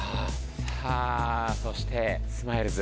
さあそしてスマイルズ。